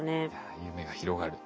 夢が広がる。